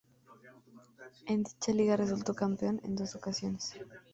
En dicha liga resultó campeón en dos ocasiones.